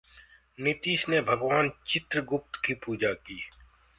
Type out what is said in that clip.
नीतीश ने भगवान चित्रगुप्त की पूजा की